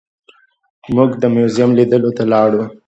موږ د موزیم لیدلو ته لاړو.